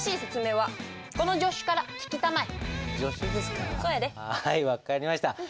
はい分かりました。